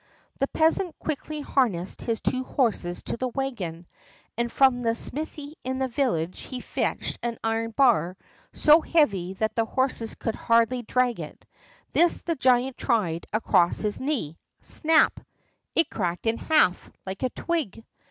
The peasant quickly harnessed his two horses to the wagon, and from the smithy in the village he fetched an iron bar so heavy that the horses could hardly drag it. This the giant tried across his knee. Snap! it cracked in half, like a twig.